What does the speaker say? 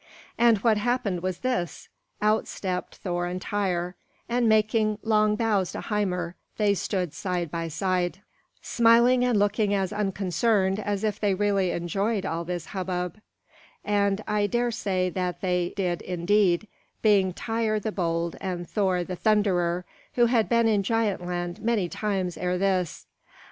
And what happened was this: out stepped Thor and Tŷr, and making low bows to Hymir, they stood side by side, smiling and looking as unconcerned as if they really enjoyed all this hubbub; and I dare say that they did indeed, being Tŷr the bold and Thor the thunderer, who had been in Giant Land many times ere this.